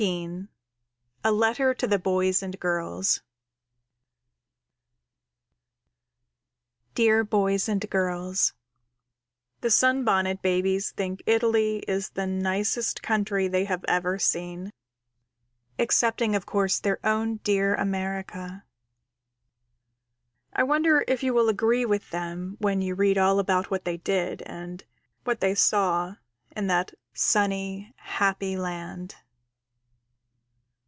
A Letter to the Boys and Girls Dear Boys and Girls: _The Sunbonnet Babies think Italy is the nicest country they have ever seen, excepting of course their own dear America. I wonder if you will agree with them when you read all about what they did and what they saw in that sunny, happy land.